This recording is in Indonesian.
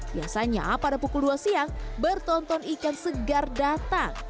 biasanya pada pukul dua siang bertonton ikan segar datang